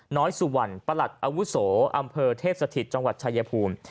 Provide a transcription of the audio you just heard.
น้อยสุวรรณประหลัดอาวุโสอำเภอเทพสถิตจังหวัดชายภูมิ